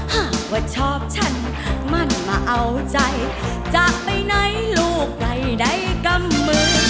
หากว่าชอบฉันมันมาเอาใจจากไปไหนลูกใดกำมือ